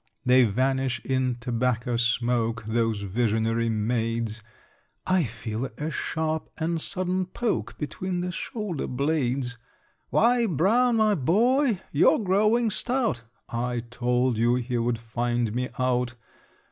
They vanish in tobacco smoke, Those visionary maids I feel a sharp and sudden poke Between the shoulder blades "Why, Brown, my boy! You're growing stout!" (I told you he would find me out!)